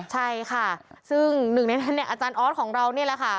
ใช่ค่ะซึ่งหนึ่งในอาจารย์ออสของเรานี่แหละค่ะ